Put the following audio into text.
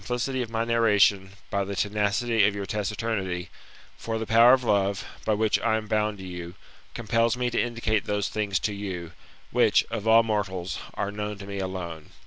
4j sin^licity of my narration by the tenacity of your taciturnity ; for the power of love, by which I am bound to you, compels me to indicate those things to you, which, of all mortals, are known to me alone.